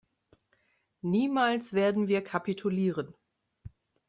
Niemals werden wir kapitulieren!